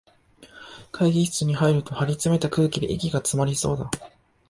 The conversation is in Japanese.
会議室に入ると、張りつめた空気で息がつまりそうだ